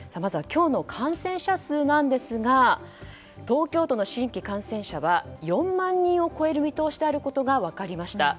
今日の感染者数なんですが東京都の新規感染者は４万人を超える見通しであることが分かりました。